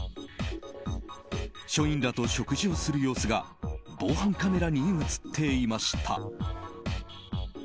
署員らと食事をする様子が防犯カメラに映っていました。